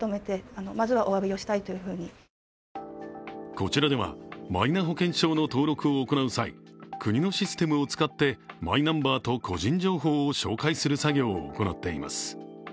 こちらでは、マイナ保険証の登録を行う際国のシステムを使ってマイナンバーと個人情報を照会する作業を行っています。